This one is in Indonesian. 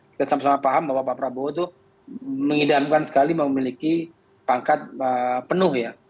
kita sama sama paham bahwa pak prabowo itu mengidamkan sekali memiliki pangkat penuh ya